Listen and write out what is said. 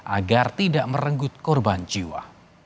agar tidak merenggut korban jiwa